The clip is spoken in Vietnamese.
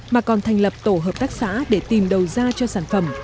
mà còn thành lập tổ hợp tác xã để tìm đầu ra cho sản phẩm